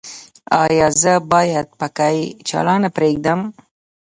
ایا زه باید پکۍ چالانه پریږدم؟